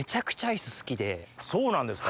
そうなんですか？